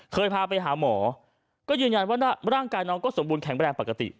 พาไปหาหมอก็ยืนยันว่าร่างกายน้องก็สมบูรณแข็งแรงปกติ